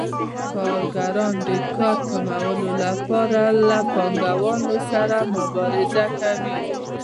کارګران د کار د کمولو لپاره له پانګوالو سره مبارزه کوي